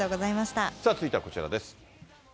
続いてはこちらです。